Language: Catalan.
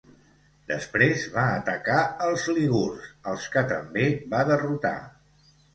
Després va atacar els lígurs, als que també va derrotar.